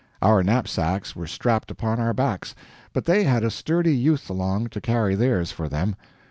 Our knapsacks were strapped upon our backs, but they had a sturdy youth along to carry theirs for them.